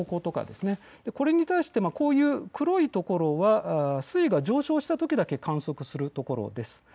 これに対して黒いところは水位が上昇したときだけ観測するところです。